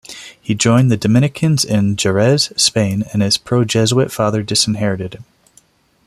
He joined the Dominicans in Jerez, Spain and his pro-Jesuit father disinherited him.